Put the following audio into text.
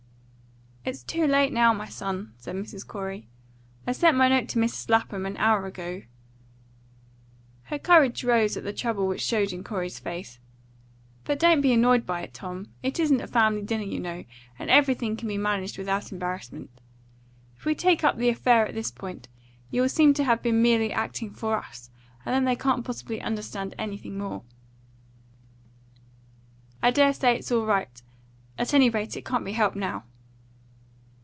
"It's too late now, my son," said Mrs. Corey. "I sent my note to Mrs. Lapham an hour ago." Her courage rose at the trouble which showed in Corey's face. "But don't be annoyed by it, Tom. It isn't a family dinner, you know, and everything can be managed without embarrassment. If we take up the affair at this point, you will seem to have been merely acting for us; and they can't possibly understand anything more." "Well, well! Let it go! I dare say it's all right. At any rate, it can't be helped now."